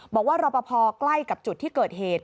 บอกว่ารบพใกล้กับจุดที่เกิดเหตุ